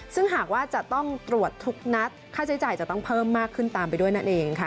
ซึ่งหากว่าจะต้องตรวจทุกนัดค่าใช้จ่ายจะต้องเพิ่มมากขึ้นตามไปด้วยนั่นเองค่ะ